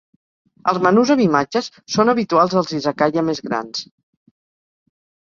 Els menús amb imatges són habituals als "izakaya" més grans.